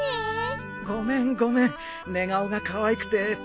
ごめんごめん寝顔がかわいくてつい。